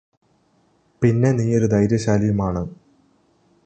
പിന്നെ നീയൊരു ധൈര്യശാലിയുമാണ്